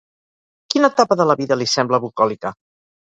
Quina etapa de la vida li sembla bucòlica?